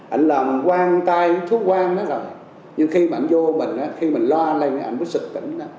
anh làm quang tay thú quang nhưng khi mà anh vô mình khi mình loa lên anh cứ sực tỉnh